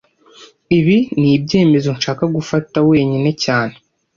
Ibi nibyemezo nshaka gufata wenyine cyane